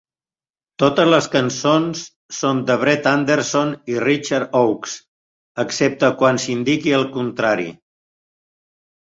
Totes les cançons són de Brett Anderson i Richard Oakes excepte quan s'indiqui el contrari.